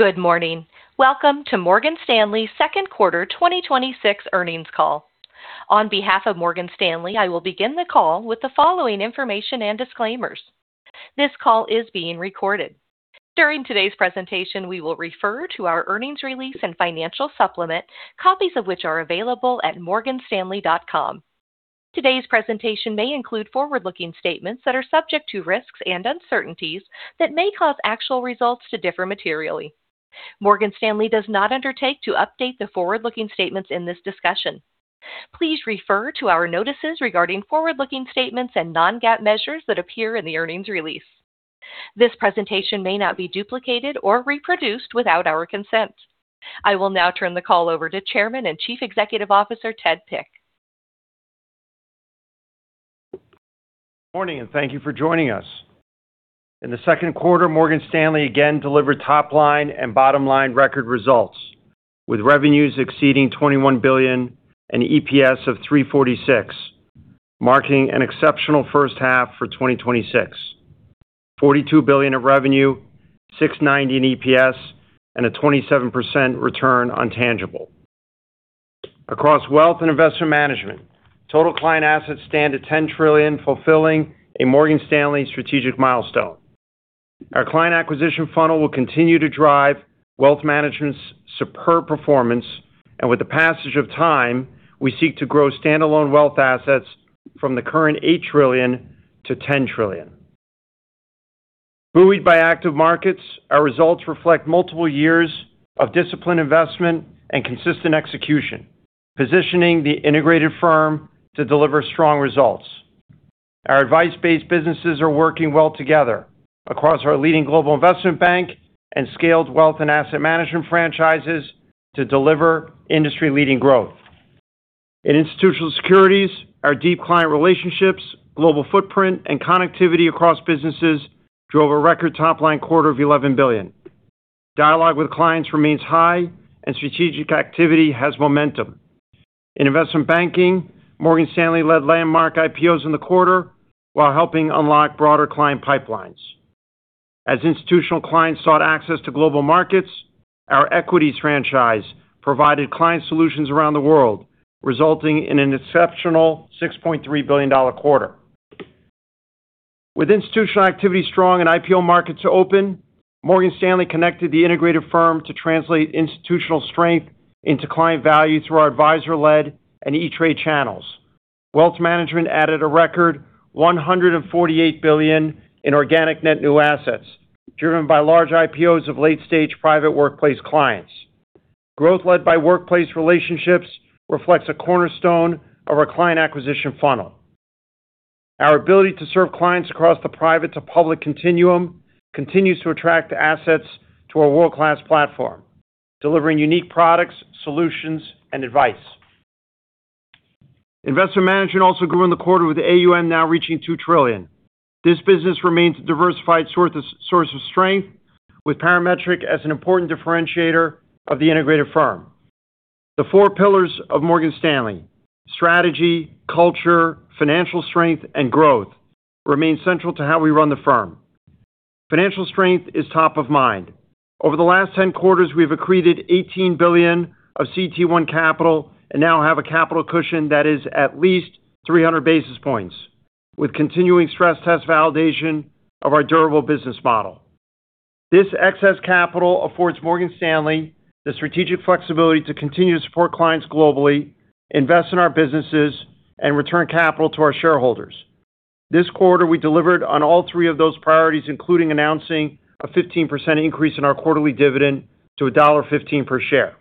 Good morning. Welcome to Morgan Stanley's second quarter 2026 earnings call. On behalf of Morgan Stanley, I will begin the call with the following information and disclaimers. This call is being recorded. During today's presentation, we will refer to our earnings release and financial supplement, copies of which are available at morganstanley.com. Today's presentation may include forward-looking statements that are subject to risks and uncertainties that may cause actual results to differ materially. Morgan Stanley does not undertake to update the forward-looking statements in this discussion. Please refer to our notices regarding forward-looking statements and non-GAAP measures that appear in the earnings release. This presentation may not be duplicated or reproduced without our consent. I will now turn the call over to Chairman and Chief Executive Officer, Ted Pick. Morning. Thank you for joining us. In the second quarter, Morgan Stanley again delivered top-line and bottom-line record results, with revenues exceeding $21 billion and EPS of $3.46, marking an exceptional first half for 2026. $42 billion of revenue, $6.90 in EPS, and a 27% return on tangible. Across Wealth and Investment Management, total client assets stand at $10 trillion, fulfilling a Morgan Stanley strategic milestone. Our client acquisition funnel will continue to drive Wealth Management's superb performance, and with the passage of time, we seek to grow standalone wealth assets from the current $8 trillion-$10 trillion. Buoyed by active markets, our results reflect multiple years of disciplined investment and consistent execution, positioning the integrated firm to deliver strong results. Our advice-based businesses are working well together across our leading Global Investment Bank and scaled Wealth and Asset Management franchises to deliver industry-leading growth. In Institutional Securities, our deep client relationships, global footprint, and connectivity across businesses drove a record top-line quarter of $11 billion. Dialogue with clients remains high and strategic activity has momentum. In Investment Banking, Morgan Stanley led landmark IPOs in the quarter while helping unlock broader client pipelines. As institutional clients sought access to global markets, our equities franchise provided client solutions around the world, resulting in an exceptional $6.3 billion quarter. With institutional activity strong and IPO markets open, Morgan Stanley connected the integrated firm to translate institutional strength into client value through our advisor-led and E*TRADE channels. Wealth Management added a record $148 billion in organic net new assets, driven by large IPOs of late-stage private workplace clients. Growth led by workplace relationships reflects a cornerstone of our client acquisition funnel. Our ability to serve clients across the private-to-public continuum continues to attract assets to our world-class platform, delivering unique products, solutions, and advice. Investment Management also grew in the quarter, with AUM now reaching $2 trillion. This business remains a diversified source of strength, with Parametric as an important differentiator of the integrated firm. The four pillars of Morgan Stanley, strategy, culture, financial strength, and growth, remain central to how we run the firm. Financial strength is top of mind. Over the last 10 quarters, we've accreted $18 billion of CET1 capital and now have a capital cushion that is at least 300 basis points, with continuing stress test validation of our durable business model. This excess capital affords Morgan Stanley the strategic flexibility to continue to support clients globally, invest in our businesses, and return capital to our shareholders. This quarter, we delivered on all three of those priorities, including announcing a 15% increase in our quarterly dividend to $1.15 per share.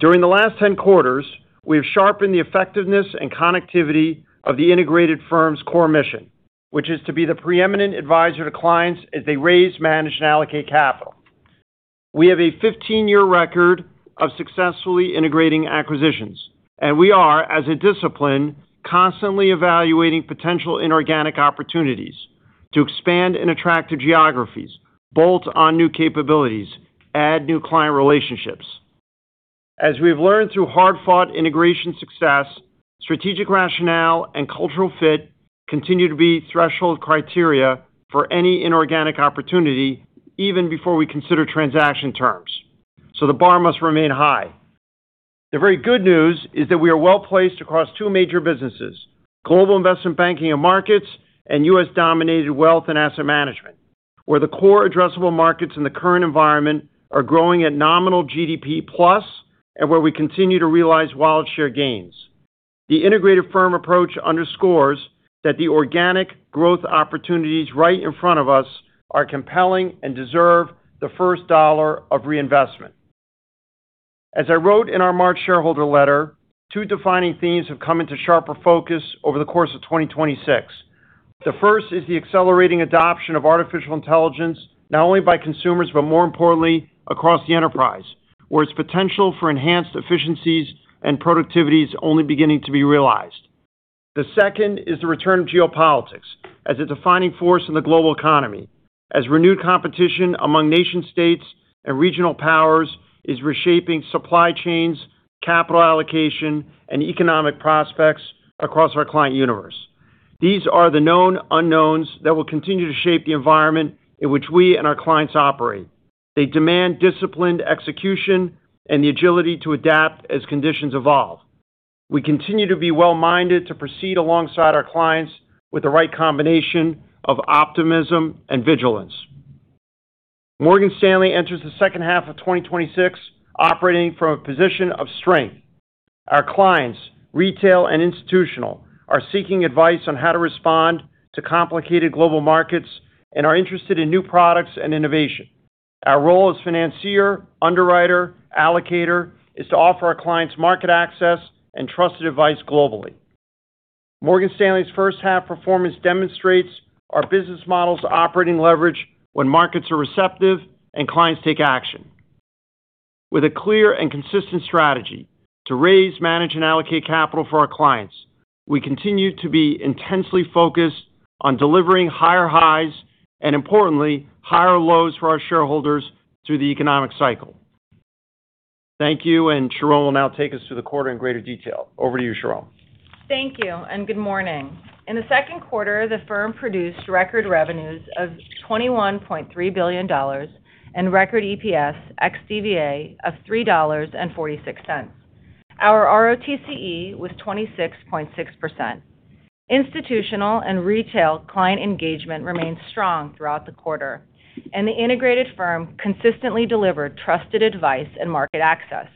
During the last 10 quarters, we have sharpened the effectiveness and connectivity of the integrated firm's core mission, which is to be the preeminent advisor to clients as they raise, manage, and allocate capital. We have a 15-year record of successfully integrating acquisitions, and we are, as a discipline, constantly evaluating potential inorganic opportunities to expand and attract to geographies, bolt on new capabilities, add new client relationships. As we've learned through hard-fought integration success, strategic rationale and cultural fit continue to be threshold criteria for any inorganic opportunity even before we consider transaction terms. So the bar must remain high. The very good news is that we are well-placed across two major businesses, global investment banking and markets, and U.S.-dominated wealth and asset management, where the core addressable markets in the current environment are growing at nominal GDP plus, and where we continue to realize wallet share gains. The integrated firm approach underscores that the organic growth opportunities right in front of us are compelling and deserve the first dollar of reinvestment. As I wrote in our March shareholder letter, two defining themes have come into sharper focus over the course of 2026. The first is the accelerating adoption of artificial intelligence, not only by consumers but more importantly across the enterprise, where its potential for enhanced efficiencies and productivity is only beginning to be realized. The second is the return of geopolitics as a defining force in the global economy, as renewed competition among nation-states and regional powers is reshaping supply chains, capital allocation, and economic prospects across our client universe. These are the known unknowns that will continue to shape the environment in which we and our clients operate. They demand disciplined execution and the agility to adapt as conditions evolve. We continue to be well-minded to proceed alongside our clients with the right combination of optimism and vigilance. Morgan Stanley enters the second half of 2026 operating from a position of strength. Our clients, retail and institutional, are seeking advice on how to respond to complicated global markets and are interested in new products and innovation. Our role as financier, underwriter, allocator is to offer our clients market access and trusted advice globally. Morgan Stanley's first half performance demonstrates our business model's operating leverage when markets are receptive and clients take action. With a clear and consistent strategy to raise, manage and allocate capital for our clients. We continue to be intensely focused on delivering higher highs and importantly, higher lows for our shareholders through the economic cycle. Thank you, and Sharon will now take us through the quarter in greater detail. Over to you, Sharon. Thank you. Good morning. In the second quarter, the firm produced record revenues of $21.3 billion and record EPS ex-CVA of $3.46. Our ROTCE was 26.6%. Institutional and retail client engagement remained strong throughout the quarter, and the integrated firm consistently delivered trusted advice and market access,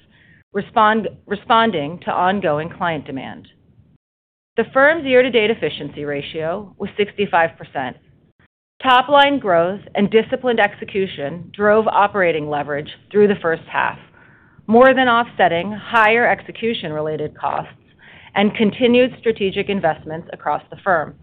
responding to ongoing client demand. The firm's year-to-date efficiency ratio was 65%. Top-line growth and disciplined execution drove operating leverage through the first half, more than offsetting higher execution-related costs and continued strategic investments across the firm.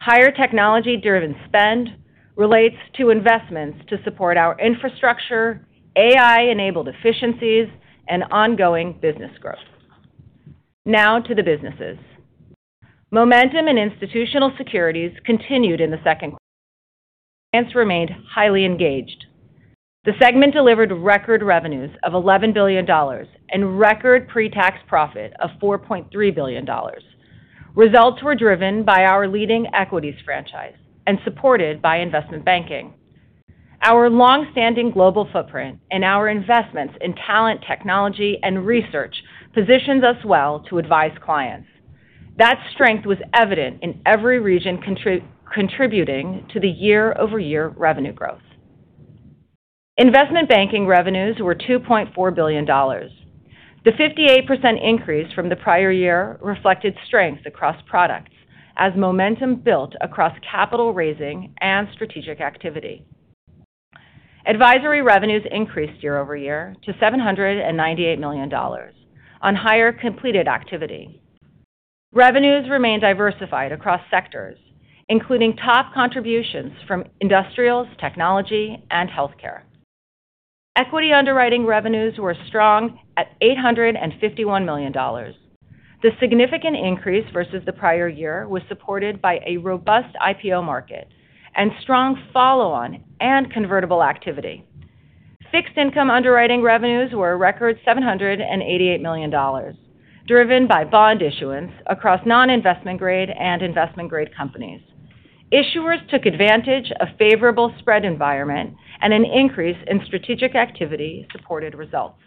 Higher technology-driven spend relates to investments to support our infrastructure, AI-enabled efficiencies, and ongoing business growth. To the businesses. Momentum in institutional securities continued in the second quarter. Clients remained highly engaged. The segment delivered record revenues of $11 billion and record pre-tax profit of $4.3 billion. Results were driven by our leading equities franchise and supported by investment banking. Our longstanding global footprint and our investments in talent, technology, and research positions us well to advise clients. That strength was evident in every region contributing to the year-over-year revenue growth. Investment banking revenues were $2.4 billion. The 58% increase from the prior year reflected strength across products as momentum built across capital raising and strategic activity. Advisory revenues increased year-over-year to $798 million on higher completed activity. Revenues remain diversified across sectors, including top contributions from industrials, technology, and healthcare. Equity underwriting revenues were strong at $851 million. The significant increase versus the prior year was supported by a robust IPO market and strong follow-on and convertible activity. Fixed income underwriting revenues were a record $788 million, driven by bond issuance across non-investment grade and investment-grade companies. Issuers took advantage of favorable spread environment and an increase in strategic activity-supported results.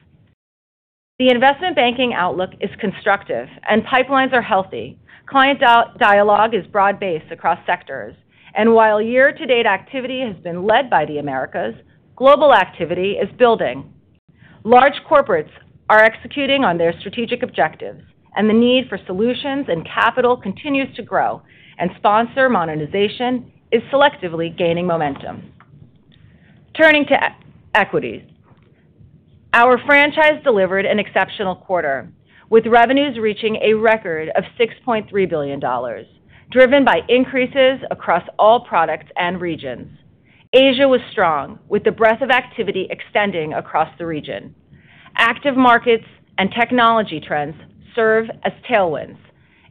The investment banking outlook is constructive. Pipelines are healthy. Client dialogue is broad-based across sectors, and while year-to-date activity has been led by the Americas, global activity is building. Large corporates are executing on their strategic objectives. The need for solutions and capital continues to grow. Sponsor monetization is selectively gaining momentum. To equities. Our franchise delivered an exceptional quarter, with revenues reaching a record of $6.3 billion, driven by increases across all products and regions. Asia was strong, with the breadth of activity extending across the region. Active markets and technology trends serve as tailwinds,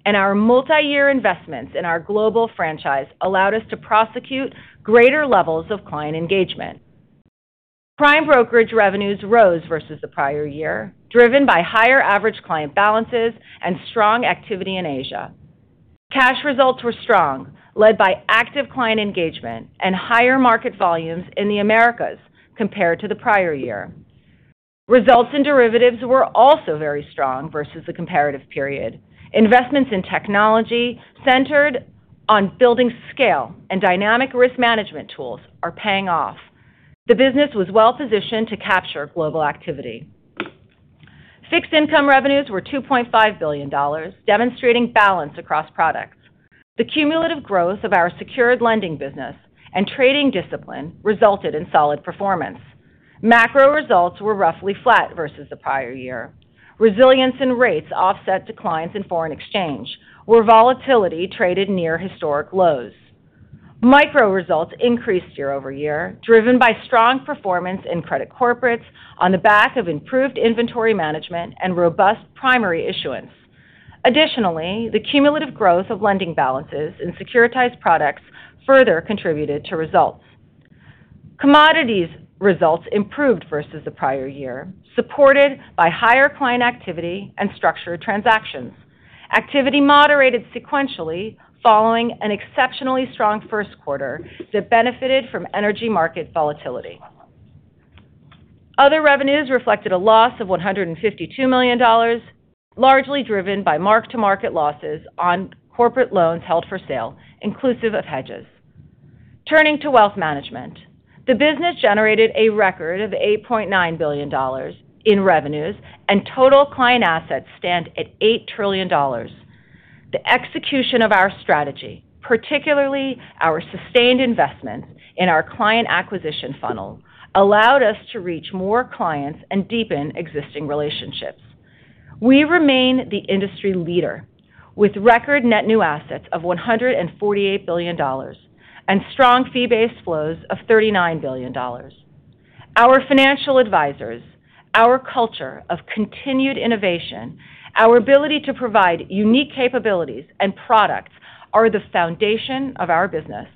and our multi-year investments in our global franchise allowed us to prosecute greater levels of client engagement. Prime brokerage revenues rose versus the prior year, driven by higher average client balances and strong activity in Asia. Cash results were strong, led by active client engagement and higher market volumes in the Americas compared to the prior year. Results in derivatives were also very strong versus the comparative period. Investments in technology centered on building scale and dynamic risk management tools are paying off. The business was well-positioned to capture global activity. Fixed income revenues were $2.5 billion, demonstrating balance across products. The cumulative growth of our secured lending business and trading discipline resulted in solid performance. Macro results were roughly flat versus the prior year. Resilience in rates offset declines in foreign exchange, where volatility traded near historic lows. Micro results increased year-over-year, driven by strong performance in credit corporates on the back of improved inventory management and robust primary issuance. Additionally, the cumulative growth of lending balances in securitized products further contributed to results. Commodities results improved versus the prior year, supported by higher client activity and structured transactions. Activity moderated sequentially following an exceptionally strong first quarter that benefited from energy market volatility. Other revenues reflected a loss of $152 million, largely driven by mark-to-market losses on corporate loans held for sale, inclusive of hedges. Turning to wealth management. The business generated a record of $8.9 billion in revenues, and total client assets stand at $8 trillion. The execution of our strategy, particularly our sustained investment in our client acquisition funnel, allowed us to reach more clients and deepen existing relationships. We remain the industry leader, with record net new assets of $148 billion and strong fee-based flows of $39 billion. Our financial advisors, our culture of continued innovation, our ability to provide unique capabilities and products are the foundation of our business.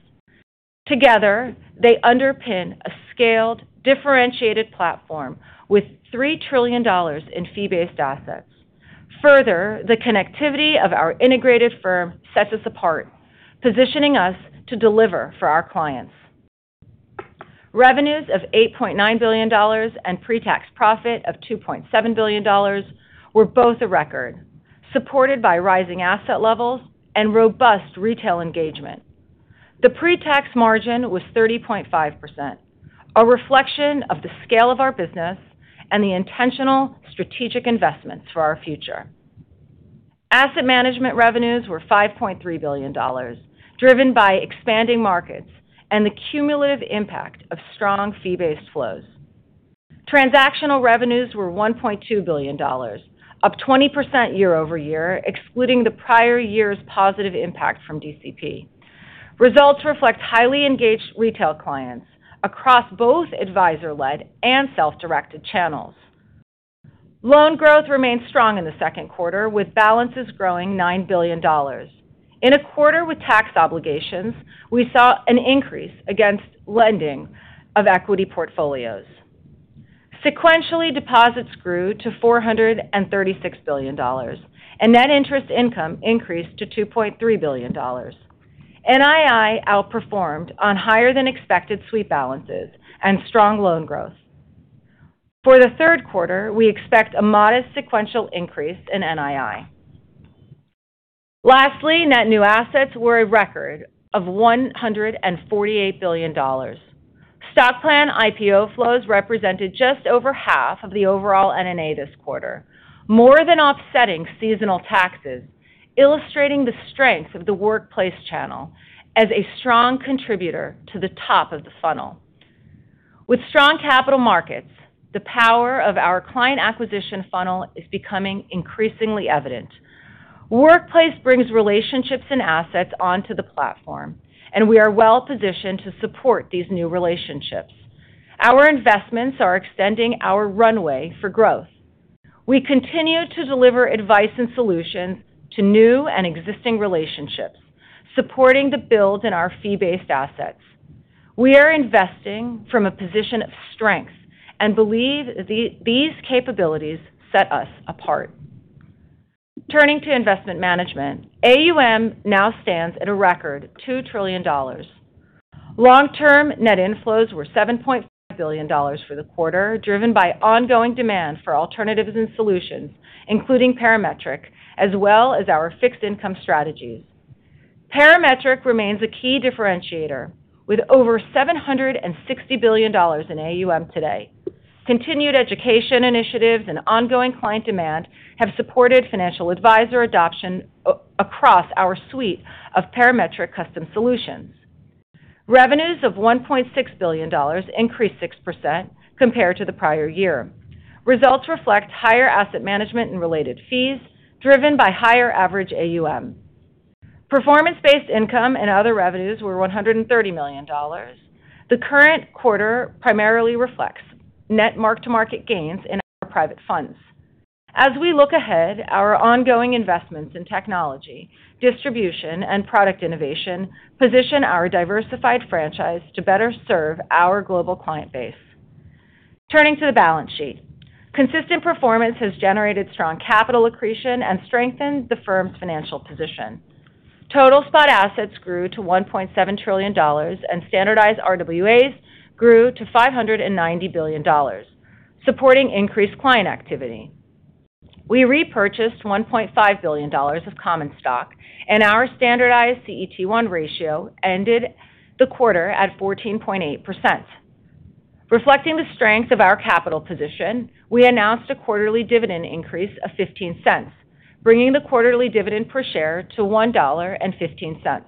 Together, they underpin a scaled, differentiated platform with $3 trillion in fee-based assets. The connectivity of our integrated firm sets us apart, positioning us to deliver for our clients. Revenues of $8.9 billion and pre-tax profit of $2.7 billion were both a record, supported by rising asset levels and robust retail engagement. The pre-tax margin was 30.5%, a reflection of the scale of our business and the intentional strategic investments for our future. Asset management revenues were $5.3 billion, driven by expanding markets and the cumulative impact of strong fee-based flows. Transactional revenues were $1.2 billion, up 20% year-over-year, excluding the prior year's positive impact from DCP. Results reflect highly engaged retail clients across both advisor-led and self-directed channels. Loan growth remained strong in the second quarter, with balances growing $9 billion. In a quarter with tax obligations, we saw an increase against lending of equity portfolios. Sequentially, deposits grew to $436 billion, and net interest income increased to $2.3 billion. NII outperformed on higher than expected sweep balances and strong loan growth. For the third quarter, we expect a modest sequential increase in NII. Net new assets were a record of $148 billion. Stock plan IPO flows represented just over half of the overall NNA this quarter, more than offsetting seasonal taxes, illustrating the strength of the workplace channel as a strong contributor to the top of the funnel. With strong capital markets, the power of our client acquisition funnel is becoming increasingly evident. Workplace brings relationships and assets onto the platform, and we are well-positioned to support these new relationships. Our investments are extending our runway for growth. We continue to deliver advice and solutions to new and existing relationships, supporting the build in our fee-based assets. We are investing from a position of strength and believe these capabilities set us apart. Turning to investment management. AUM now stands at a record $2 trillion. Long-term net inflows were $7.5 billion for the quarter, driven by ongoing demand for alternatives and solutions, including Parametric, as well as our fixed income strategies. Parametric remains a key differentiator, with over $760 billion in AUM today. Continued education initiatives and ongoing client demand have supported financial advisor adoption across our suite of Parametric custom solutions. Revenues of $1.6 billion increased 6% compared to the prior year. Results reflect higher asset management and related fees, driven by higher average AUM. Performance-based income and other revenues were $130 million. The current quarter primarily reflects net mark-to-market gains in our private funds. As we look ahead, our ongoing investments in technology, distribution, and product innovation position our diversified franchise to better serve our global client base. Turning to the balance sheet. Consistent performance has generated strong capital accretion and strengthened the firm's financial position. Total spot assets grew to $1.7 trillion, and standardized RWAs grew to $590 billion, supporting increased client activity. We repurchased $1.5 billion of common stock, and our standardized CET1 ratio ended the quarter at 14.8%. Reflecting the strength of our capital position, we announced a quarterly dividend increase of $0.15, bringing the quarterly dividend per share to $1.15.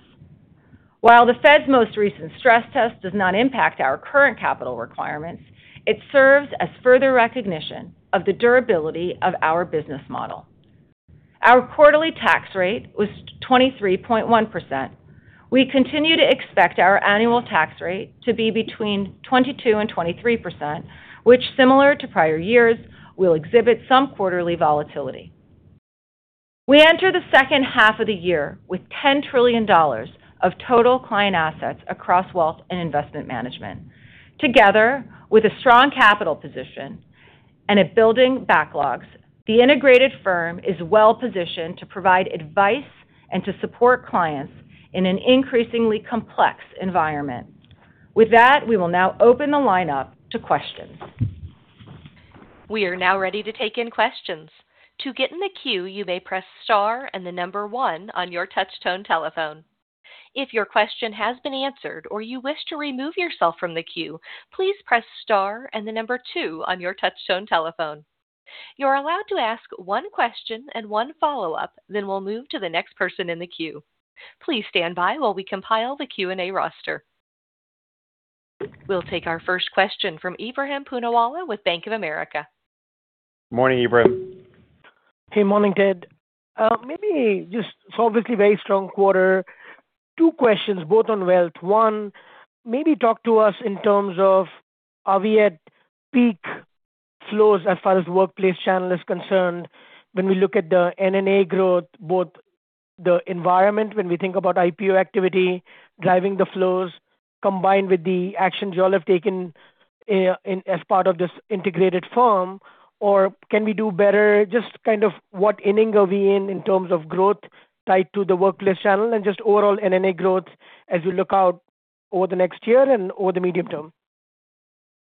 While the Fed's most recent stress test does not impact our current capital requirements, it serves as further recognition of the durability of our business model. Our quarterly tax rate was 23.1%. We continue to expect our annual tax rate to be between 22% and 23%, which similar to prior years, will exhibit some quarterly volatility. We enter the second half of the year with $10 trillion of total client assets across wealth and investment management. Together, with a strong capital position and building backlogs. The integrated firm is well-positioned to provide advice and to support clients in an increasingly complex environment. With that, we will now open the lineup to questions. We are now ready to take in questions. To get in the queue, you may press star and the number one on your touchtone telephone. If your question has been answered or you wish to remove yourself from the queue, please press star and the number two on your touchtone telephone. You are allowed to ask one question and one follow-up, we'll move to the next person in the queue. Please stand by while we compile the Q&A roster. We'll take our first question from Ebrahim Poonawala with Bank of America. Morning, Ebrahim. Hey, morning, Ted. Obviously, very strong quarter. Two questions, both on wealth. One, maybe talk to us in terms of, are we at peak flows as far as the workplace channel is concerned when we look at the NNA growth, both the environment, when we think about IPO activity driving the flows, combined with the actions you all have taken as part of this integrated firm, or can we do better? Just kind of what inning are we in terms of growth tied to the workplace channel and just overall NNA growth as we look out over the next year and over the medium-term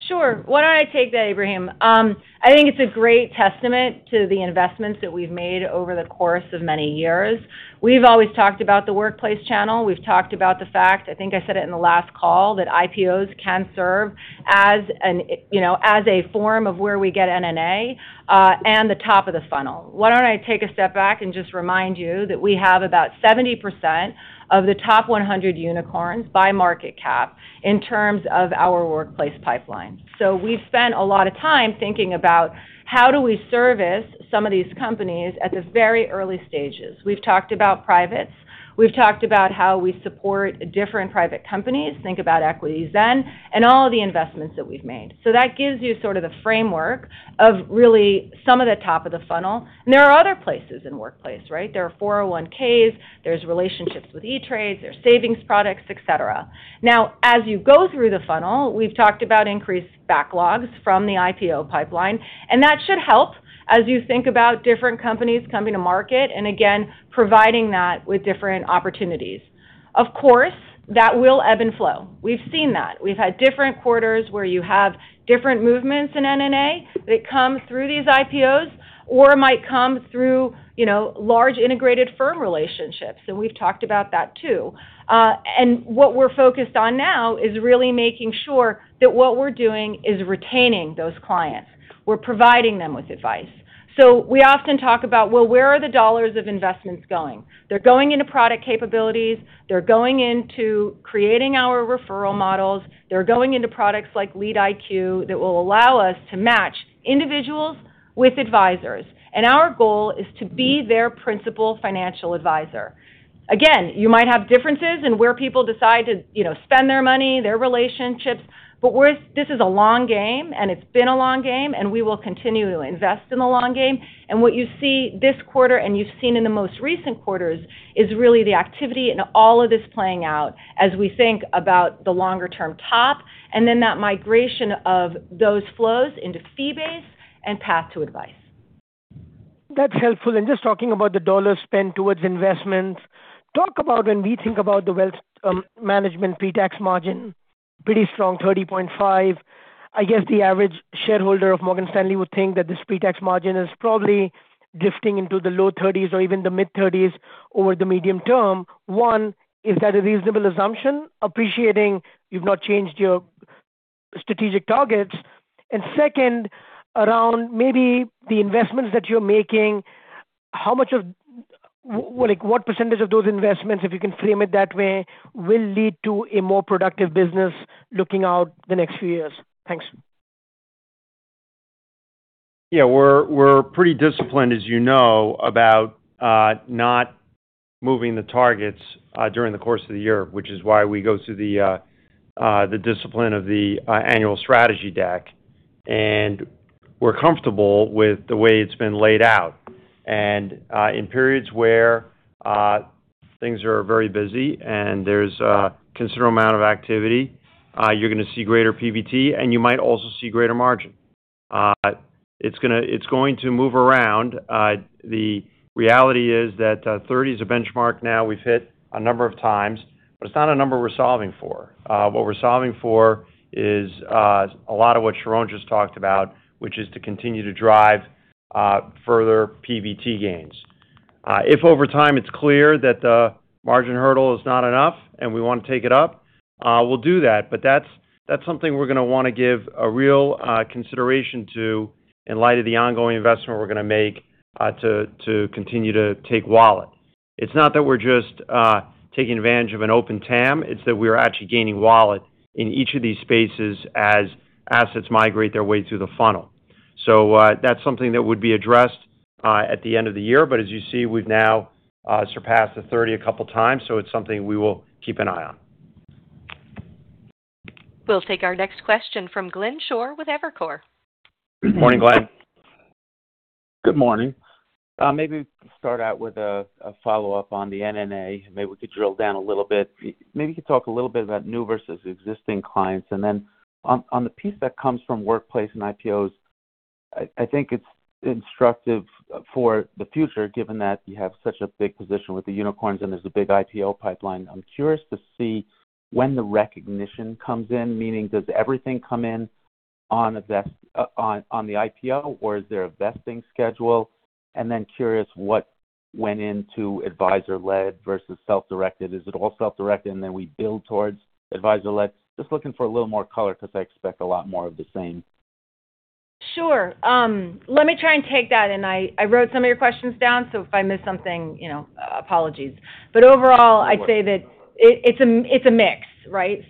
Sure. Why don't I take that, Ebrahim? I think it's a great testament to the investments that we've made over the course of many years. We've always talked about the workplace channel. We've talked about the fact, I think I said it in the last call, that IPOs can serve as a form of where we get NNA, and the top of the funnel. Why don't I take a step back and just remind you that we have about 70% of the top 100 unicorns by market cap in terms of our workplace pipeline. We've spent a lot of time thinking about how do we service some of these companies at the very early stages. We've talked about privates. We've talked about how we support different private companies, think about EquityZen, and all of the investments that we've made. That gives you sort of the framework of really some of the top of the funnel. There are other places in workplace, right? There are 401K, there's relationships with E*TRADE, there's savings products, et cetera. Now, as you go through the funnel, we've talked about increased backlogs from the IPO pipeline, and that should help as you think about different companies coming to market and again, providing that with different opportunities. Of course, that will ebb and flow. We've seen that. We've had different quarters where you have different movements in NNA that come through these IPOs or might come through large integrated firm relationships, and we've talked about that too. What we're focused on now is really making sure that what we're doing is retaining those clients. We're providing them with advice. We often talk about, well, where are the dollars of investments going? They're going into product capabilities. They're going into creating our referral models. They're going into products like LeadIQ that will allow us to match individuals with advisors. Our goal is to be their principal financial advisor. Again, you might have differences in where people decide to spend their money, their relationships, but this is a long game, and it's been a long game, and we will continue to invest in the long game. What you see this quarter and you've seen in the most recent quarters is really the activity and all of this playing out as we think about the longer-term top, and then that migration of those flows into fee-based and path to advice. That's helpful. Just talking about the dollars spend towards investments, talk about when we think about the wealth management pre-tax margin, pretty strong 30.5%. I guess the average shareholder of Morgan Stanley would think that this pre-tax margin is probably drifting into the low 30s or even the mid-30s over the medium term. One, is that a reasonable assumption, appreciating you've not changed your strategic targets? Second, around maybe the investments that you're making, what percentage of those investments, if you can frame it that way, will lead to a more productive business looking out the next few years? Thanks. Yeah, we're pretty disciplined, as you know, about not moving the targets during the course of the year, which is why we go through the discipline of the annual strategy deck. We're comfortable with the way it's been laid out. In periods where things are very busy and there's a considerable amount of activity, you're going to see greater PBT, and you might also see greater margin. It's going to move around. The reality is that 30 is a benchmark now we've hit a number of times, but it's not a number we're solving for. What we're solving for is a lot of what Sharon just talked about, which is to continue to drive further PBT gains. If over time it's clear that the margin hurdle is not enough and we want to take it up, we'll do that. That's something we're going to want to give a real consideration to in light of the ongoing investment we're going to make to continue to take wallet. It's not that we're just taking advantage of an open TAM, it's that we're actually gaining wallet in each of these spaces as assets migrate their way through the funnel. That's something that would be addressed at the end of the year. As you see, we've now surpassed the 30 a couple times, so it's something we will keep an eye on. We'll take our next question from Glenn Schorr with Evercore. Good morning, Glenn. Good morning. Maybe we could start out with a follow-up on the NNA, maybe we could drill down a little bit. Maybe you could talk a little bit about new versus existing clients. Then on the piece that comes from workplace and IPOs, I think it's instructive for the future, given that you have such a big position with the unicorns and there's a big IPO pipeline. I'm curious to see when the recognition comes in, meaning does everything come in on the IP? Or is there a vesting schedule? Then curious what went into advisor-led versus self-directed. Is it all self-directed and then we build towards advisor-led? Just looking for a little more color because I expect a lot more of the same. Sure. Let me try and take that. I wrote some of your questions down, so if I miss something, apologies. Overall, I'd say that it's a mix, right?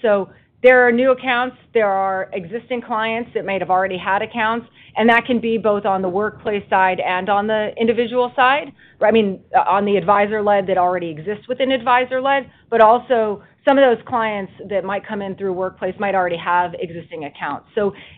There are new accounts, there are existing clients that might have already had accounts, and that can be both on the workplace side and on the individual side. I mean, on the advisor-led that already exists within advisor-led, but also some of those clients that might come in through workplace might already have existing accounts.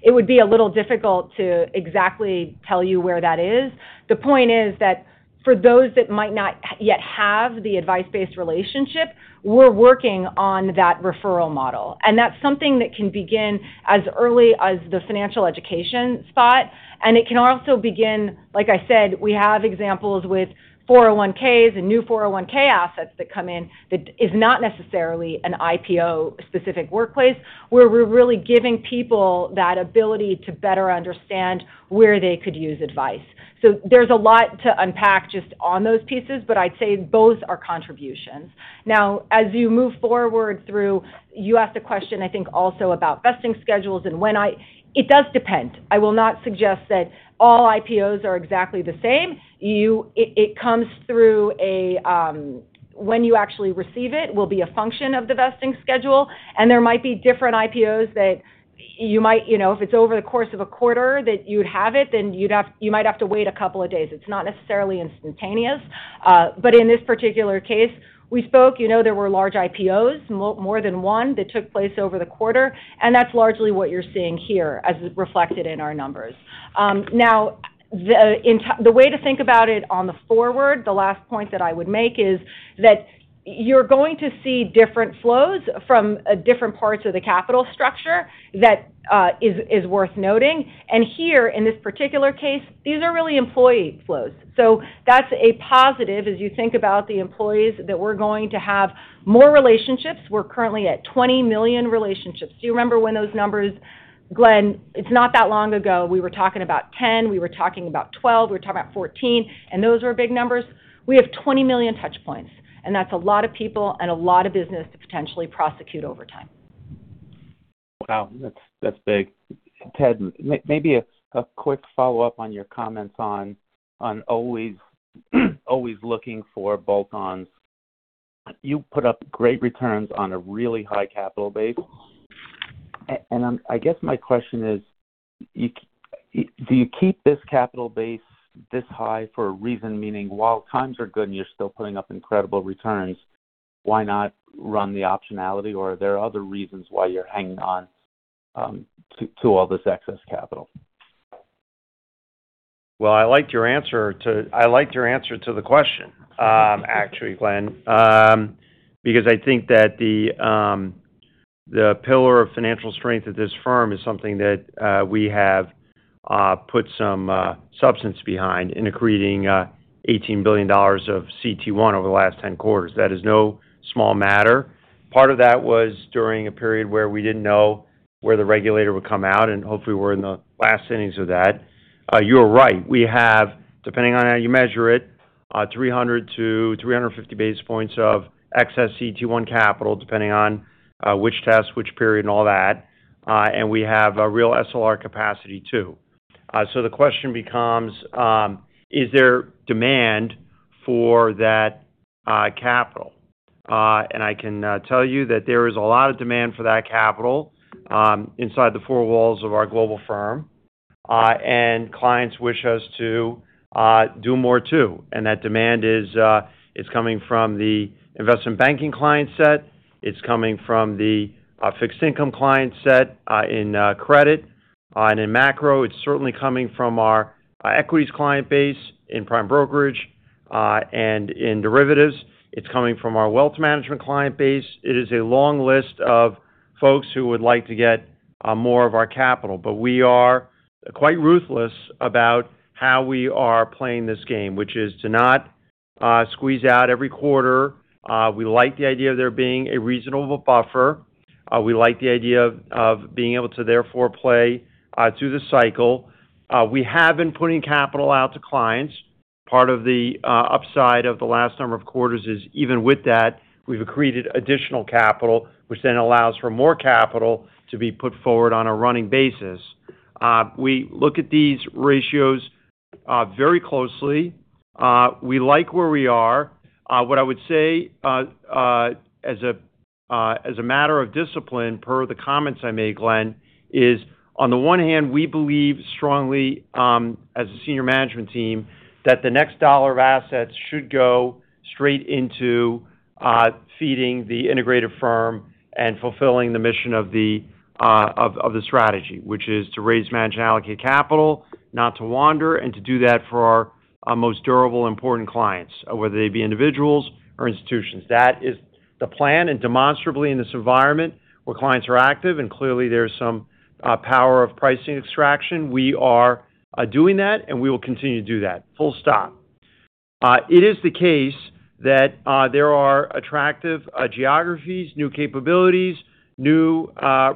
It would be a little difficult to exactly tell you where that is. The point is that for those that might not yet have the advice-based relationship, we're working on that referral model. That's something that can begin as early as the financial education spot. It can also begin, like I said, we have examples with 401Ks and new 401K assets that come in that is not necessarily an IPO-specific workplace, where we're really giving people that ability to better understand where they could use advice. There's a lot to unpack just on those pieces, but I'd say both are contributions. Now, as you move forward through, you asked a question, I think, also about vesting schedules and when. It does depend. I will not suggest that all IPOs are exactly the same. When you actually receive it will be a function of the vesting schedule, and there might be different IPOs that you might. If it's over the course of a quarter that you'd have it, then you might have to wait a couple of days. It's not necessarily instantaneous. In this particular case, we spoke, there were large IPOs, more than one that took place over the quarter, and that's largely what you're seeing here as reflected in our numbers. The way to think about it on the forward, the last point that I would make is that you're going to see different flows from different parts of the capital structure that is worth noting. Here, in this particular case, these are really employee flows. That's a positive as you think about the employees that we're going to have more relationships. We're currently at 20 million relationships. Do you remember when those numbers, Glenn, it's not that long ago, we were talking about 10, we were talking about 12, we were talking about 14, and those were big numbers. We have 20 million touch points, that's a lot of people and a lot of business to potentially prosecute over time. Wow. That's big. Ted, maybe a quick follow-up on your comments on always looking for bolt-on. You put up great returns on a really high capital base. I guess my question is, do you keep this capital base this high for a reason? Meaning, while times are good and you're still putting up incredible returns, why not run the optionality? Are there other reasons why you're hanging on to all this excess capital? I liked your answer to the question, actually, Glenn. I think that the pillar of financial strength of this firm is something that we have put some substance behind in accreting $18 billion of CET1 over the last 10 quarters. That is no small matter. Part of that was during a period where we didn't know where the regulator would come out, hopefully we're in the last innings of that. You're right. We have, depending on how you measure it, 300-350 basis points of excess CET1 capital, depending on which test, which period, and all that. We have a real SLR capacity too. The question becomes, is there demand for that capital? I can tell you that there is a lot of demand for that capital inside the four walls of our global firm. Clients wish us to do more too. That demand is coming from the investment banking client set. It's coming from the fixed income client set in credit and in macro. It's certainly coming from our equities client base in prime brokerage, and in derivatives. It's coming from our wealth management client base. It is a long list of folks who would like to get more of our capital. We are quite ruthless about how we are playing this game, which is to not squeeze out every quarter. We like the idea of there being a reasonable buffer. We like the idea of being able to therefore play through the cycle. We have been putting capital out to clients. Part of the upside of the last number of quarters is even with that, we've accreted additional capital, which then allows for more capital to be put forward on a running basis. We look at these ratios very closely. We like where we are. What I would say, as a matter of discipline, per the comments I made, Glenn, on the one hand, we believe strongly, as a senior management team, that the next dollar of assets should go straight into feeding the integrated firm and fulfilling the mission of the strategy, which is to raise manage and allocate capital, not to wander, and to do that for our most durable important clients, whether they be individuals or institutions. That is the plan, demonstrably in this environment where clients are active and clearly there's some power of pricing extraction, we are doing that, we will continue to do that, full stop. It is the case that there are attractive geographies, new capabilities, new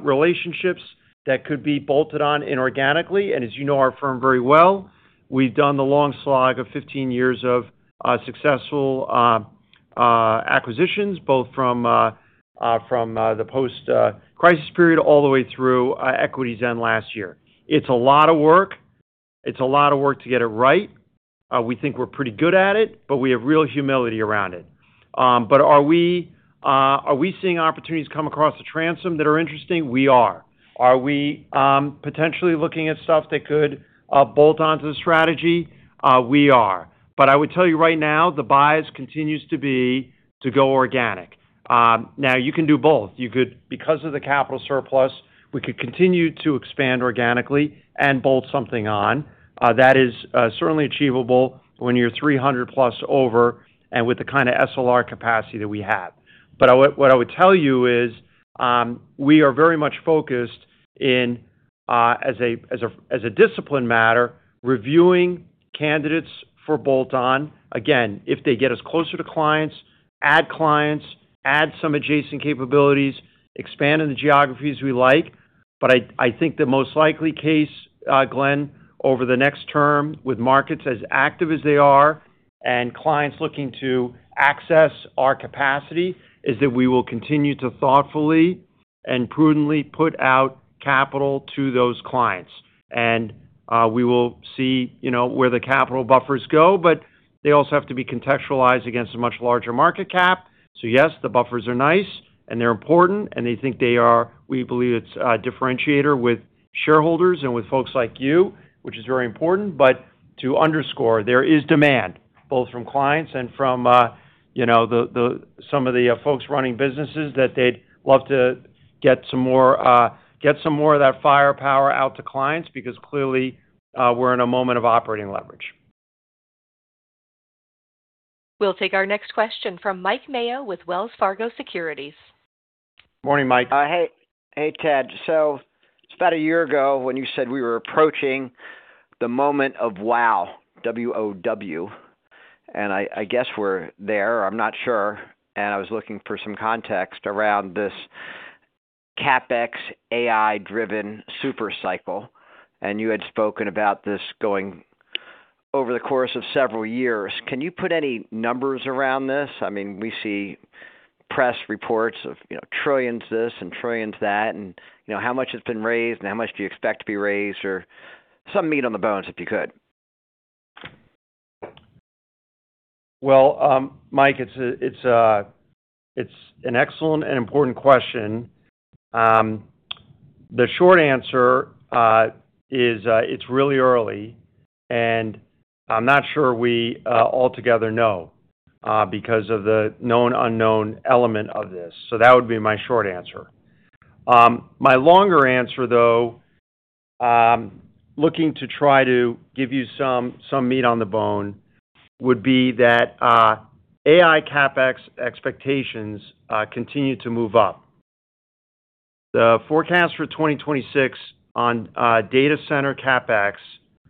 relationships that could be bolted on inorganically. As you know our firm very well, we've done the long slog of 15 years of successful acquisitions, both from the post-crisis period all the way through EquityZen last year. It's a lot of work. It's a lot of work to get it right. We think we're pretty good at it, but we have real humility around it. Are we seeing opportunities come across the transom that are interesting? We are. Are we potentially looking at stuff that could bolt onto the strategy? We are. I would tell you right now, the bias continues to be to go organic. Now, you can do both. Because of the capital surplus, we could continue to expand organically and bolt something on. That is certainly achievable when you're 300+ over and with the kind of SLR capacity that we have. What I would tell you is we are very much focused in, as a discipline matter, reviewing candidates for bolt-on. Again, if they get us closer to clients, add clients, add some adjacent capabilities, expand in the geographies we like. I think the most likely case, Glenn, over the next term with markets as active as they are and clients looking to access our capacity, is that we will continue to thoughtfully and prudently put out capital to those clients. We will see where the capital buffers go, but they also have to be contextualized against a much larger market cap. Yes, the buffers are nice and they're important, and we believe it's a differentiator with shareholders and with folks like you, which is very important. To underscore, there is demand, both from clients and from some of the folks running businesses that they'd love to get some more of that firepower out to clients because clearly we're in a moment of operating leverage. We'll take our next question from Mike Mayo with Wells Fargo Securities. Morning, Mike. Hey, Ted. It's about a year ago when you said we were approaching the moment of wow, W-O-W, and I guess we're there or I'm not sure. I was looking for some context around this CapEx AI-driven super cycle, you had spoken about this going over the course of several years. Can you put any numbers around this? I mean, we see press reports of trillions this and trillions that, and how much has been raised and how much do you expect to be raised? Or some meat on the bones, if you could? Well, Mike, it's an excellent and important question. The short answer is it's really early, and I'm not sure we altogether know because of the known unknown element of this. That would be my short answer. My longer answer though, looking to try to give you some meat on the bone, would be that AI CapEx expectations continue to move up. The forecast for 2026 on data center CapEx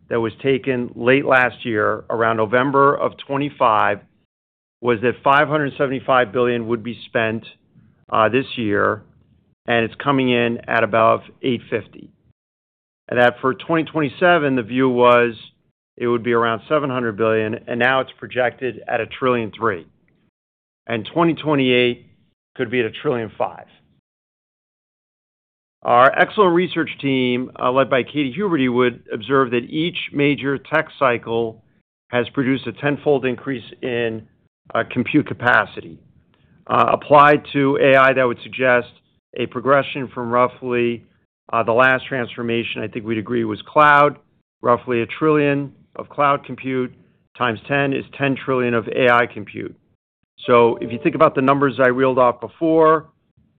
that was taken late last year, around November of 2025, was that $575 billion would be spent this year, and it's coming in at about $850 billion. That for 2027, the view was it would be around $700 billion, and now it's projected at $1.3 trillion. 2028 could be at $1.5 trillion. Our excellent research team, led by Katy Huberty, would observe that each major tech cycle has produced a 10-fold increase in compute capacity. Applied to AI, that would suggest a progression from roughly the last transformation, I think we'd agree was cloud. Roughly $1 trillion of cloud compute times 10 is $10 trillion of AI compute. If you think about the numbers I reeled off before,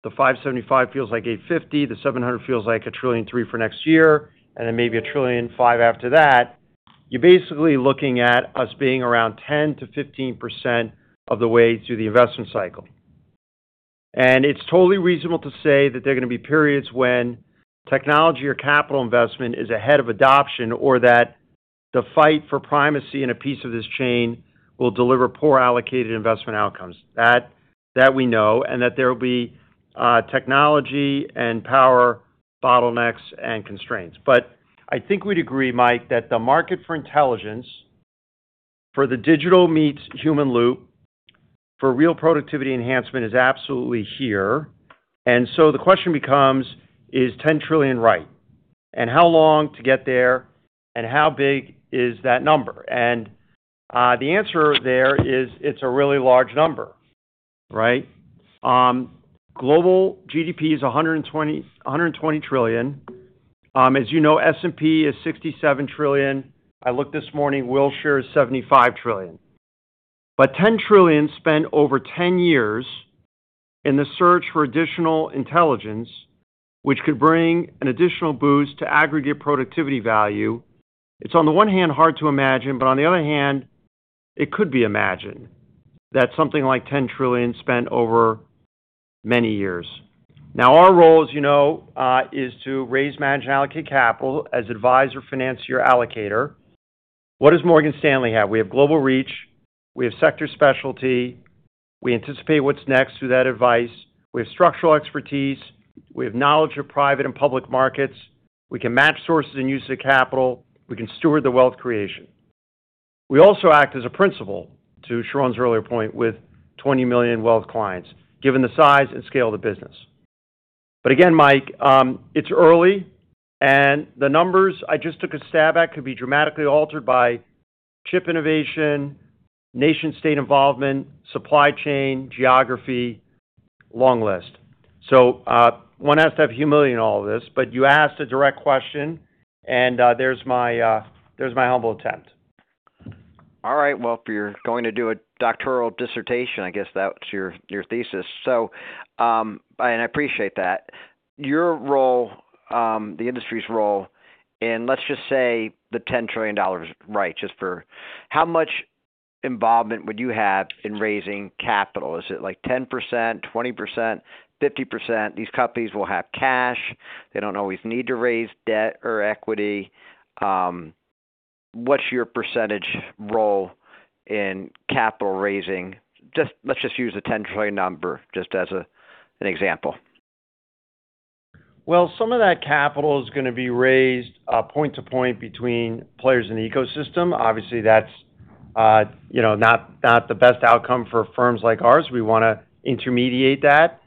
the $575 billion feels like $850 billion, the $700 billion feels like $1.3 trillion for next year, and then maybe $1.5 trillion after that. You're basically looking at us being around 10%-15% of the way through the investment cycle. It's totally reasonable to say that there are going to be periods when technology or capital investment is ahead of adoption, or that the fight for primacy in a piece of this chain will deliver poor allocated investment outcomes. That we know, and that there will be technology and power bottlenecks and constraints. I think we'd agree, Mike, that the market for intelligence for the digital meets human loop for real productivity enhancement is absolutely here. The question becomes, is $10 trillion right? How long to get there, and how big is that number? The answer there is it's a really large number. Right? Global GDP is $120 trillion. As you know, S&P is $67 trillion. I looked this morning, Wilshire is $75 trillion. $10 trillion spent over 10 years in the search for additional intelligence, which could bring an additional boost to aggregate productivity value. It's on the one hand hard to imagine, but on the other hand, it could be imagined that something like $10 trillion spent over many years. Now, our role, as you know, is to raise, manage, and allocate capital as advisor, financier, allocator. What does Morgan Stanley have? We have global reach. We have sector specialty. We anticipate what's next through that advice. We have structural expertise. We have knowledge of private and public markets. We can match sources and use of capital. We can steward the wealth creation. We also act as a principal, to Sharon's earlier point, with 20 million wealth clients, given the size and scale of the business. Again, Mike, it's early, and the numbers I just took a stab at could be dramatically altered by chip innovation, nation-state involvement, supply chain, geography, long list. One has to have humility in all of this. You asked a direct question, and there's my humble attempt. All right. Well, if you're going to do a doctoral dissertation, I guess that's your thesis. I appreciate that. Your role, the industry's role in, let's just say the $10 trillion is right. Just for how much involvement would you have in raising capital? Is it 10%, 20%, 50%? These companies will have cash. They don't always need to raise debt or equity. What's your percentage role in capital raising? Let's just use the $10 trillion number just as an example. Some of that capital is going to be raised point-to-point between players in the ecosystem. Obviously, that's not the best outcome for firms like ours. We want to intermediate that.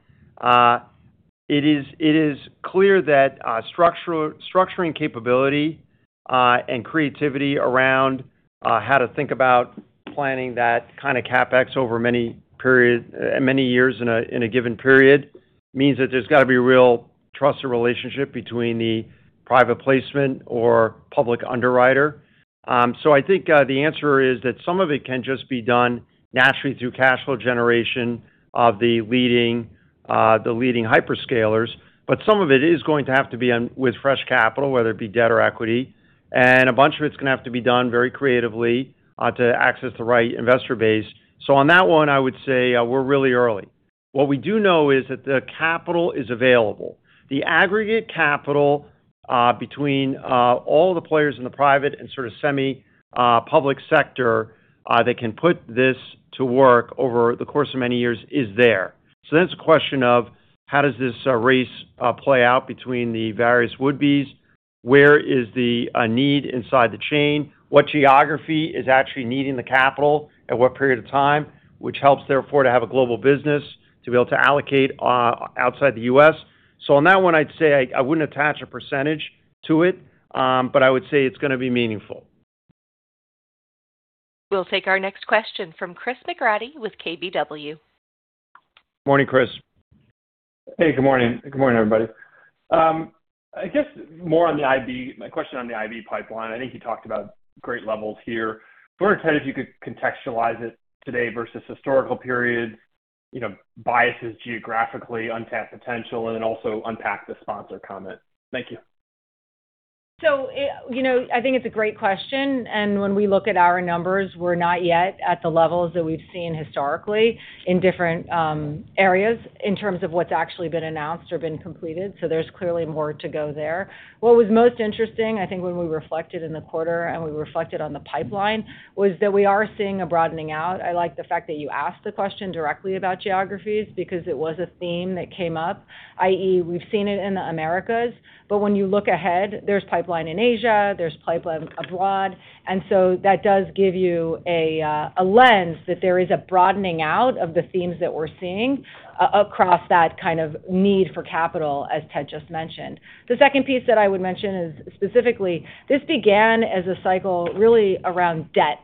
It is clear that structuring capability and creativity around how to think about planning that kind of CapEx over many years in a given period means that there's got to be real trusted relationship between the private placement or public underwriter. I think the answer is that some of it can just be done naturally through cash flow generation of the leading hyperscalers. Some of it is going to have to be with fresh capital, whether it be debt or equity, and a bunch of it's going to have to be done very creatively to access the right investor base. On that one, I would say we're really early. What we do know is that the capital is available. The aggregate capital between all of the players in the private and sort of semi-public sector that can put this to work over the course of many years is there. It's a question of how does this race play out between the various would-be's? Where is the need inside the chain? What geography is actually needing the capital at what period of time? Which helps, therefore, to have a global business, to be able to allocate outside the U.S. On that one, I'd say I wouldn't attach a percentage to it, but I would say it's going to be meaningful. We'll take our next question from Chris McGratty with KBW. Morning, Chris. Hey, good morning. Good morning, everybody. I guess more on the IB. My question on the IB pipeline, I think you talked about great levels here. I wonder, Ted, if you could contextualize it today versus historical periods, biases geographically, untapped potential, then also unpack the sponsor comment? Thank you. I think it's a great question, and when we look at our numbers, we're not yet at the levels that we've seen historically in different areas in terms of what's actually been announced or been completed. There's clearly more to go there. What was most interesting, I think, when we reflected in the quarter and we reflected on the pipeline, was that we are seeing a broadening out. I like the fact that you asked the question directly about geographies because it was a theme that came up, i.e., we've seen it in the Americas. When you look ahead, there's pipeline in Asia, there's pipeline abroad, and so that does give you a lens that there is a broadening out of the themes that we're seeing across that kind of need for capital, as Ted just mentioned. The second piece that I would mention is specifically, this began as a cycle really around debt.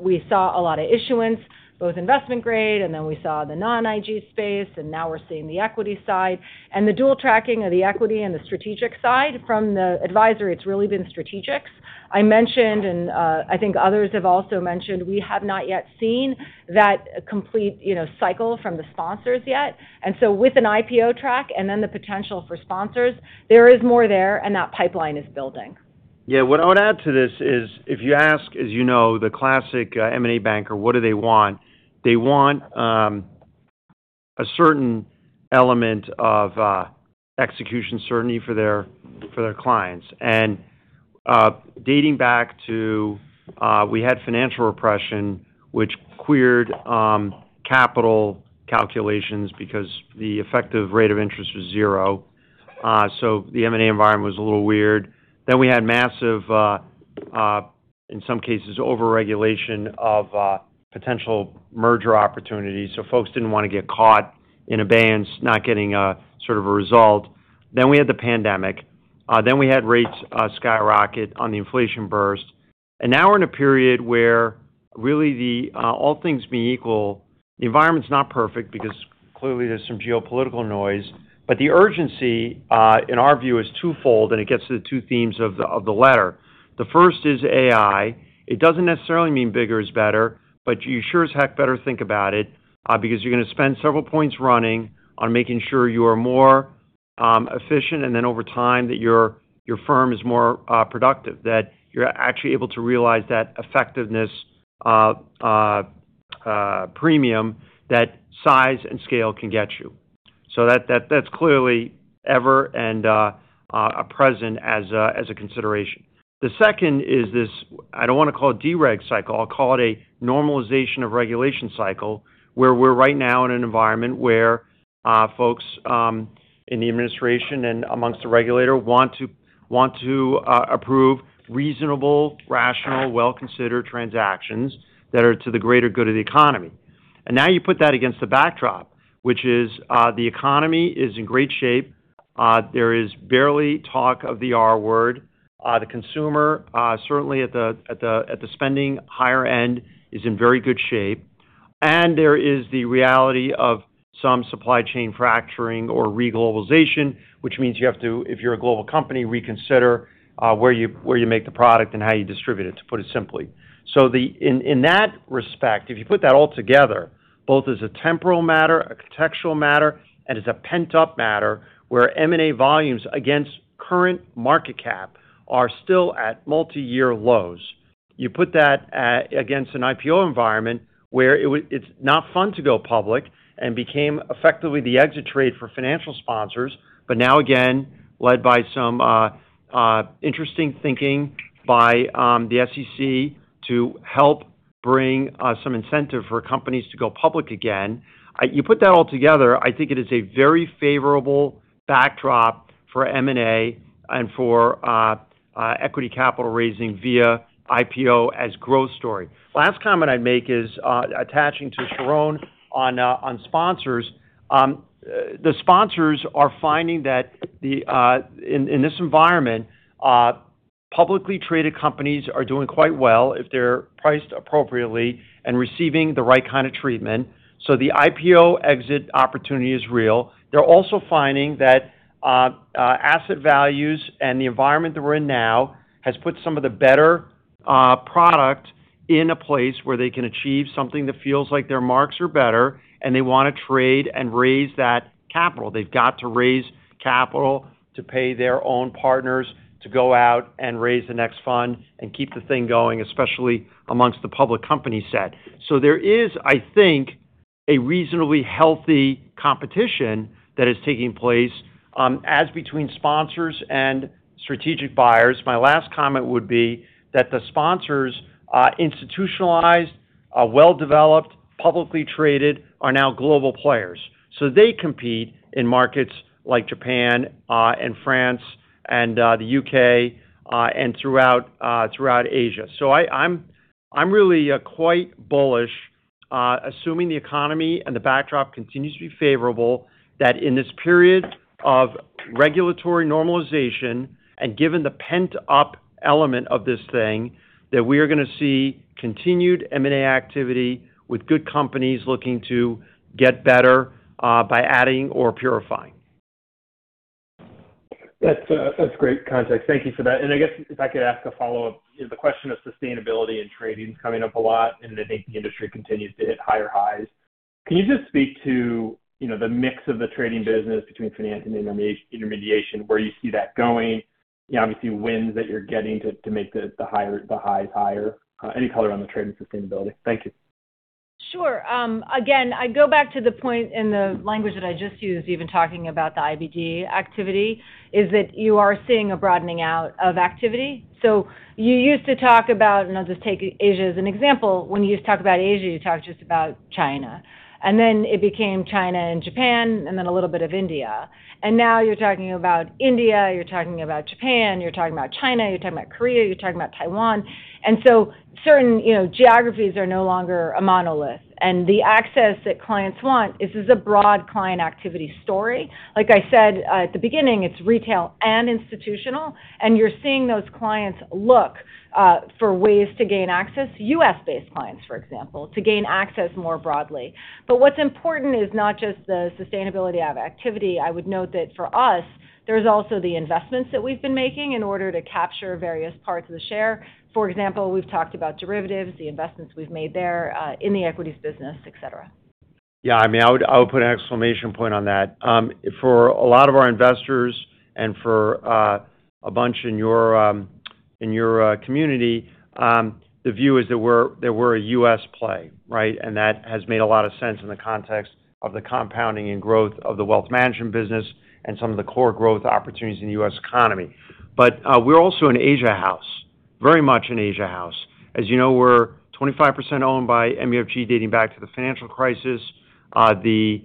We saw a lot of issuance, both investment grade, and then we saw the non-IG space, and now we're seeing the equity side. The dual tracking of the equity and the strategic side from the advisory, it's really been strategics. I mentioned, and I think others have also mentioned, we have not yet seen that complete cycle from the sponsors yet. With an IPO track and then the potential for sponsors, there is more there, and that pipeline is building. Yeah. What I would add to this is if you ask, as you know, the classic M&A banker, what do they want? They want a certain element of execution certainty for their clients. We had financial repression, which queered capital calculations because the effective rate of interest was zero. The M&A environment was a little weird. We had massive in some cases, over-regulation of potential merger opportunities. Folks didn't want to get caught in abeyance, not getting sort of a result. We had the pandemic. We had rates skyrocket on the inflation burst. Now we're in a period where really all things being equal, the environment's not perfect because clearly there's some geopolitical noise. The urgency, in our view, is twofold, and it gets to the two themes of the letter. The first is AI. It doesn't necessarily mean bigger is better, you sure as heck better think about it, because you're going to spend several points running on making sure you are more efficient and then over time, that your firm is more productive. That you're actually able to realize that effectiveness premium, that size and scale can get you. That's clearly ever and present as a consideration. The second is this, I don't want to call it dereg cycle, I'll call it a normalization of regulation cycle, where we're right now in an environment where folks in the administration and amongst the regulator want to approve reasonable, rational, well-considered transactions that are to the greater good of the economy. Now you put that against the backdrop, which is the economy is in great shape. There is barely talk of the R word. The consumer, certainly at the spending higher end, is in very good shape. There is the reality of some supply chain fracturing or re-globalization, which means you have to, if you're a global company, reconsider where you make the product and how you distribute it, to put it simply. In that respect, if you put that all together, both as a temporal matter, a contextual matter, and as a pent-up matter, where M&A volumes against current market cap are still at multi-year lows. You put that against an IPO environment where it's not fun to go public and became effectively the exit trade for financial sponsors. Now again, led by some interesting thinking by the SEC to help bring some incentive for companies to go public again. You put that all together, I think it is a very favorable backdrop for M&A and for equity capital raising via IPO as growth story. Last comment I'd make is attaching to Sharon on sponsors. The sponsors are finding that in this environment, publicly traded companies are doing quite well if they're priced appropriately and receiving the right kind of treatment. The IPO exit opportunity is real. They're also finding that asset values and the environment that we're in now has put some of the better product in a place where they can achieve something that feels like their marks are better, and they want to trade and raise that capital. They've got to raise capital to pay their own partners to go out and raise the next fund and keep the thing going, especially amongst the public company set. There is, I think, a reasonably healthy competition that is taking place as between sponsors and strategic buyers. My last comment would be that the sponsors are institutionalized, are well-developed, publicly traded, are now global players. They compete in markets like Japan and France and the U.K., and throughout Asia. I'm really quite bullish, assuming the economy and the backdrop continues to be favorable, that in this period of regulatory normalization and given the pent-up element of this thing, that we are going to see continued M&A activity with good companies looking to get better by adding or purifying. That's great context. Thank you for that. I guess if I could ask a follow-up, the question of sustainability and trading is coming up a lot, and I think the industry continues to hit higher highs. Can you just speak to the mix of the trading business between finance and intermediation, where you see that going? Obviously, wins that you're getting to make the highs higher. Any color on the trading sustainability? Thank you. Sure. Again, I go back to the point in the language that I just used, even talking about the IBD activity, is that you are seeing a broadening out of activity. You used to talk about, and I'll just take Asia as an example. When you used to talk about Asia, you talked just about China. Then it became China and Japan, and then a little bit of India. Now you're talking about India, you're talking about Japan, you're talking about China, you're talking about Korea, you're talking about Taiwan. Certain geographies are no longer a monolith. The access that clients want is this a broad client activity story. Like I said at the beginning, it's retail and institutional, and you're seeing those clients look for ways to gain access. U.S.-based clients, for example, to gain access more broadly. What's important is not just the sustainability of activity. I would note that for us, there's also the investments that we've been making in order to capture various parts of the share. For example, we've talked about derivatives, the investments we've made there, in the equities business, et cetera. Yeah, I would put an exclamation point on that. For a lot of our investors and for a bunch in your community, the view is that we're a U.S. play, right? That has made a lot of sense in the context of the compounding and growth of the wealth management business and some of the core growth opportunities in the U.S. economy. We're also an Asia house. Very much an Asia house. As you know, we're 25% owned by MUFG dating back to the financial crisis. The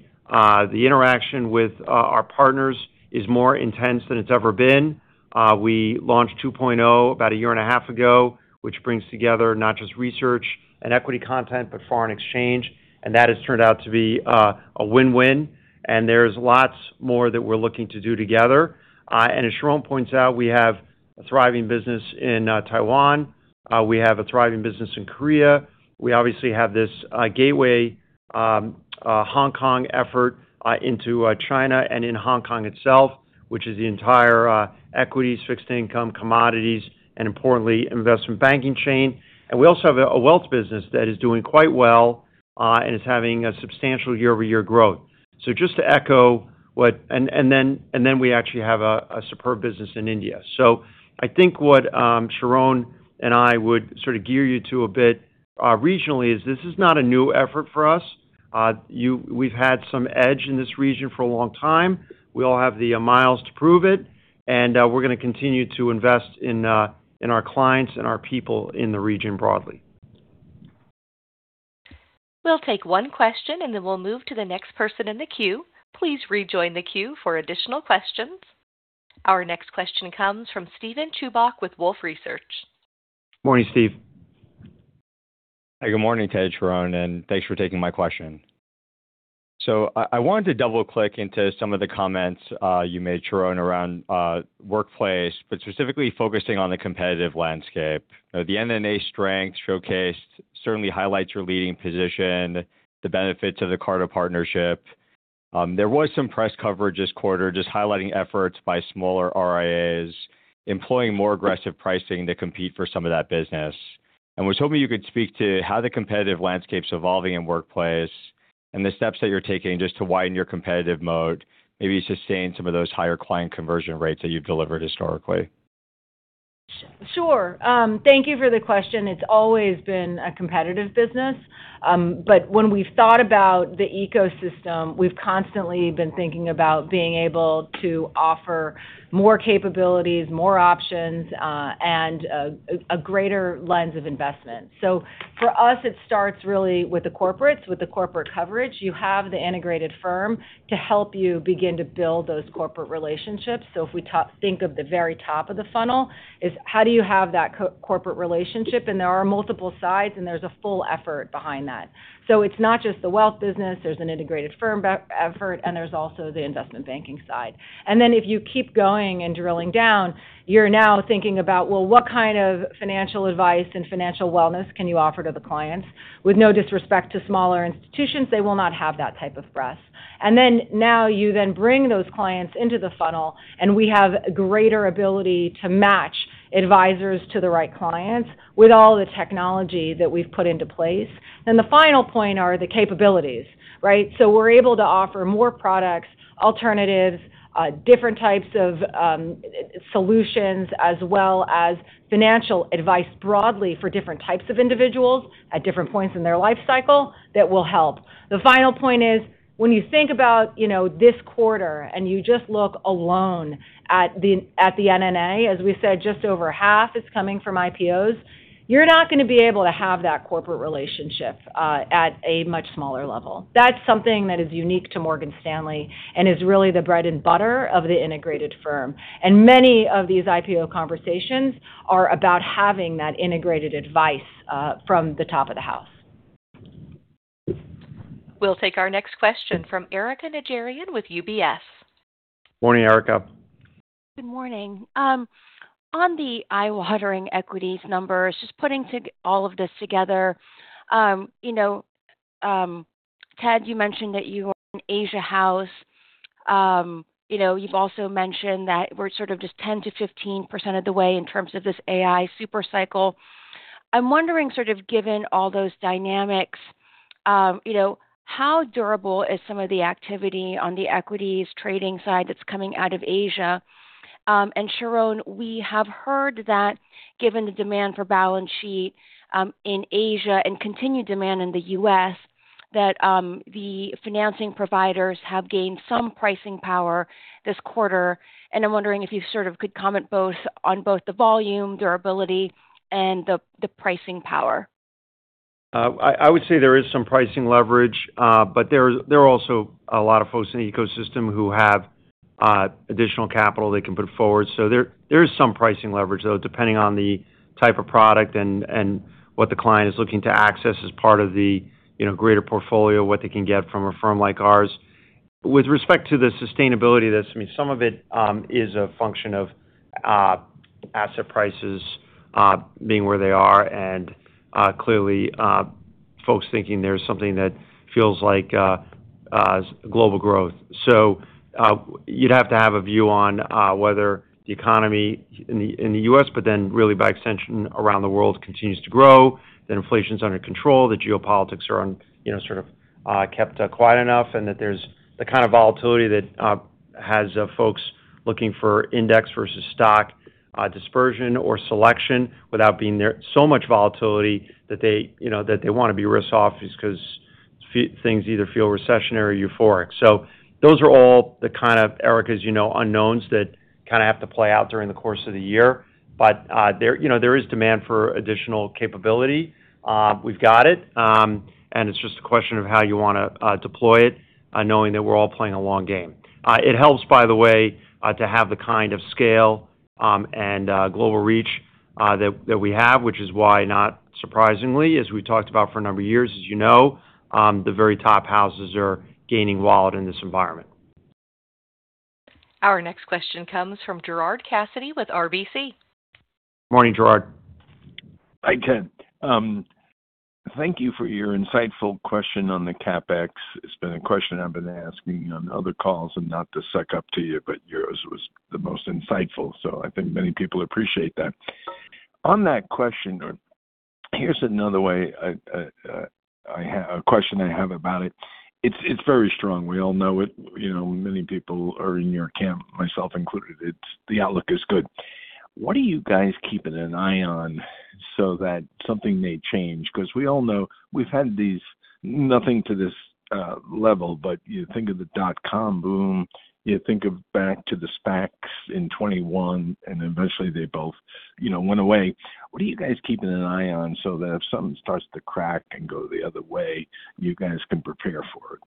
interaction with our partners is more intense than it's ever been. We launched 2.0 about a 1.5 year ago, which brings together not just research and equity content, but foreign exchange. That has turned out to be a win-win. There's lots more that we're looking to do together. As Sharon points out, we have a thriving business in Taiwan. We have a thriving business in Korea. We obviously have this gateway Hong Kong effort into China and in Hong Kong itself, which is the entire equities, fixed income, commodities, and importantly, investment banking chain. We also have a wealth business that is doing quite well and is having a substantial year-over-year growth. We actually have a superb business in India. I think what Sharon and I would sort of gear you to a bit regionally is this is not a new effort for us. We've had some edge in this region for a long time. We all have the miles to prove it, we're going to continue to invest in our clients and our people in the region broadly. We'll take one question and then we'll move to the next person in the queue. Please rejoin the queue for additional questions. Our next question comes from Steven Chubak with Wolfe Research. Morning, Steven. Good morning, Ted, Sharon, and thanks for taking my question. I wanted to double-click into some of the comments you made, Sharon, around workplace, specifically focusing on the competitive landscape. The NNA strength showcased certainly highlights your leading position, the benefits of the Carta partnership. There was some press coverage this quarter just highlighting efforts by smaller RIAs employing more aggressive pricing to compete for some of that business. Was hoping you could speak to how the competitive landscape's evolving in workplace? And the steps that you're taking just to widen your competitive moat? Maybe sustain some of those higher client conversion rates that you've delivered historically? Sure. Thank you for the question. It's always been a competitive business. When we've thought about the ecosystem, we've constantly been thinking about being able to offer more capabilities, more options, and a greater lens of investment. For us, it starts really with the corporates, with the corporate coverage. You have the integrated firm to help you begin to build those corporate relationships. If we think of the very top of the funnel is how do you have that corporate relationship? There are multiple sides, and there's a full effort behind that. It's not just the wealth business, there's an integrated firm effort, and there's also the investment banking side. If you keep going and drilling down, you're now thinking about, what kind of financial advice and financial wellness can you offer to the clients? With no disrespect to smaller institutions, they will not have that type of breadth. Now you then bring those clients into the funnel, and we have greater ability to match advisors to the right clients with all the technology that we've put into place. The final point are the capabilities, right? We're able to offer more products, alternatives, different types of solutions, as well as financial advice broadly for different types of individuals at different points in their life cycle that will help. The final point is when you think about this quarter, and you just look alone at the NNA, as we said, just over half is coming from IPOs. You're not going to be able to have that corporate relationship at a much smaller level. That's something that is unique to Morgan Stanley and is really the bread and butter of the integrated firm. Many of these IPO conversations are about having that integrated advice from the top of the house. We'll take our next question from Erika Najarian with UBS. Morning, Erika. Good morning. On the eye-watering equities numbers, just putting all of this together. Ted, you mentioned that you were in Asia House. You've also mentioned that we're sort of just 10%-15% of the way in terms of this AI super cycle. I'm wondering, sort of given all those dynamics, how durable is some of the activity on the equities trading side that's coming out of Asia? Sharon, we have heard that given the demand for balance sheet in Asia and continued demand in the U.S., that the financing providers have gained some pricing power this quarter. I'm wondering if you sort of could comment both on both the volume, durability, and the pricing power? I would say there is some pricing leverage. There are also a lot of folks in the ecosystem who have additional capital they can put forward. There is some pricing leverage, though, depending on the type of product and what the client is looking to access as part of the greater portfolio, what they can get from a firm like ours. With respect to the sustainability, some of it is a function of asset prices being where they are and clearly folks thinking there's something that feels like global growth. You'd have to have a view on whether the economy in the U.S., really by extension around the world, continues to grow, that inflation's under control, the geopolitics are sort of kept quiet enough, and that there's the kind of volatility that has folks looking for index versus stock dispersion or selection without being so much volatility. That they want to be risk off because things either feel recessionary or euphoric. Those are all the kind of, Erika, as you know, unknowns that kind of have to play out during the course of the year. There is demand for additional capability. We've got it, and it's just a question of how you want to deploy it, knowing that we're all playing a long game. It helps, by the way, to have the kind of scale and global reach that we have, which is why, not surprisingly, as we talked about for a number of years, as you know, the very top houses are gaining wallet in this environment. Our next question comes from Gerard Cassidy with RBC. Morning, Gerard. Hi, Ted. Thank you for your insightful question on the CapEx. It's been a question I've been asking on other calls, not to suck up to you, but yours was the most insightful, so I think many people appreciate that. On that question, here's another question I have about it. It's very strong. We all know it. Many people are in your camp, myself included. The outlook is good. What are you guys keeping an eye on so that something may change? Because we all know we've had these, nothing to this level, but you think of the dot-com boom, you think of back to the SPACs in 2021, and eventually they both went away. What are you guys keeping an eye on so that if something starts to crack and go the other way, you guys can prepare for it?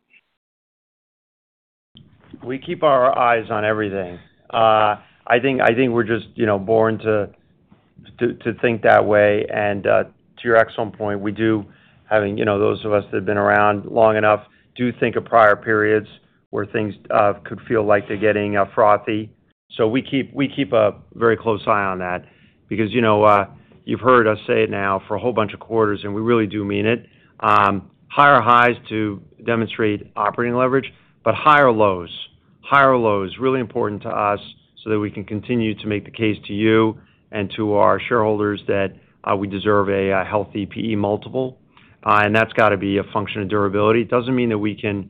We keep our eyes on everything. I think we're just born to think that way. To your excellent point, we do, having those of us that have been around long enough. Do think of prior periods where things could feel like they're getting frothy. We keep a very close eye on that because you've heard us say it now for a whole bunch of quarters, and we really do mean it. Higher highs to demonstrate operating leverage, but higher lows. Higher lows, really important to us so that we can continue to make the case to you and to our shareholders that we deserve a healthy PE multiple. That's got to be a function of durability. It doesn't mean that we can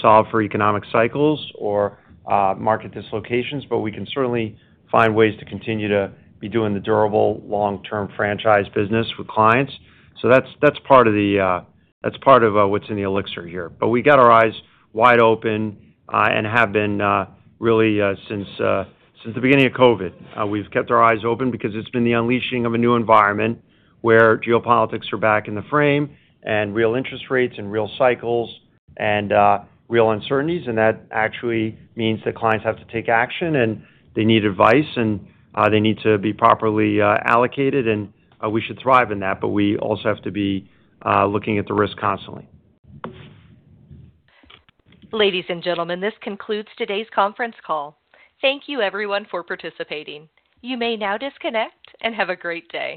solve for economic cycles or market dislocations, but we can certainly find ways to continue to be doing the durable long-term franchise business with clients. That's part of what's in the elixir here. We got our eyes wide open, and have been really since the beginning of COVID. We've kept our eyes open because it's been the unleashing of a new environment where geopolitics are back in the frame and real interest rates and real cycles and real uncertainties, and that actually means that clients have to take action, and they need advice, and they need to be properly allocated, and we should thrive in that, but we also have to be looking at the risk constantly. Ladies and gentlemen, this concludes today's conference call. Thank you everyone for participating. You may now disconnect and have a great day.